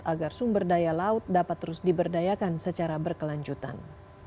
agar sumber daya laut dapat terus diberdayakan secara berkelanjutan